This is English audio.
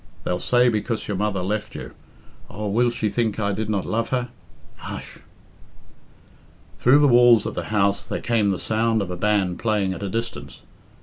they'll say because your mother left you... Oh, will she think I did not love her? Hush!" Through the walls of the house there came the sound of a band playing at a distance.